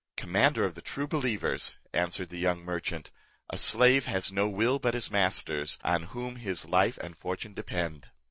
"Commander of the true believers," answered the young merchant, "a slave has no will but his master's, on whom his life and fortune depend."